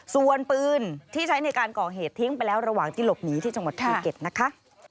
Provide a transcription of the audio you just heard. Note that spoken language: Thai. ส่วนปืนที่ใช้ในการก่อเหตุทิ้งไปแล้วระหว่างที่หลบหนีที่จังหวัดภูเก็ตนะคะ